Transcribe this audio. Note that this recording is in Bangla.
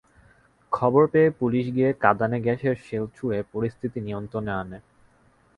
খবর পেয়ে পুলিশ গিয়ে কাঁদানে গ্যাসের শেল ছুড়ে পরিস্থিতি নিয়ন্ত্রণে আনে।